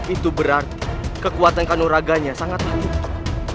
itu berarti kekuatan kanuraganya sangat mati